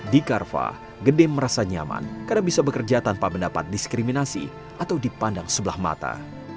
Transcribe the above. di carva gede merasa nyaman karena bisa bekerja tanpa mendapat diskriminasi atau dipandang sebelah mata